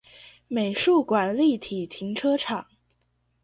美術館立體停車場